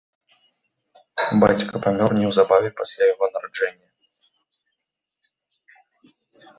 Бацька памёр неўзабаве пасля яго нараджэння.